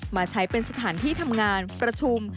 มาใช้เป็นสถานที่ทำงานประชุม